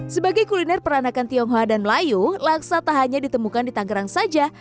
sebagai kuliner peranakan tionghoa dan melayu laksa tak hanya ditemukan di tangerang saja